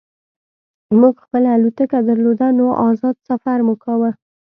موږ خپله الوتکه درلوده نو ازاد سفر مو کاوه